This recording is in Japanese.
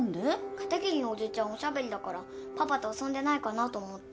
片桐のおじちゃんおしゃべりだからパパと遊んでないかなと思って。